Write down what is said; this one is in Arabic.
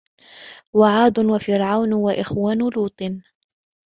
وَعَادٌ وَفِرْعَوْنُ وَإِخْوَانُ لُوطٍ